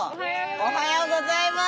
おはようございます。